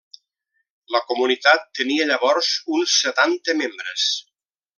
La comunitat tenia llavors uns setanta membres.